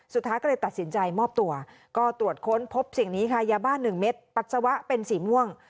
สุดท้ายก็เลยตัดสินใจมอบตัวก็ตรวจค้นพบสิ่งนี้ค่ะยาบ้า๑เม็ดปัสสาวะเป็นสีม่วง